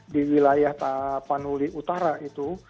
di wilayah tapanuli utara itu